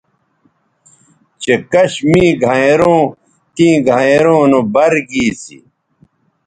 چہء کش می گھینئروں تیں گھینئروں نو بَر گی سی